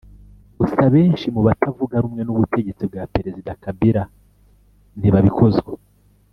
Gusa benshi mu batavuga rumwe n’ubutegetsi bwa Perezida Kabila ntibabikozwa